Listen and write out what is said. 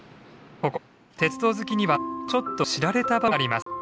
ここに鉄道好きにはちょっと知られた場所があります。